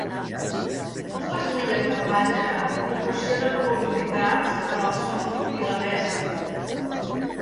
Dues milles de platja proporcionen oportunitats per al surf i la pesca.